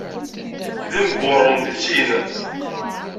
D imburen deg sin.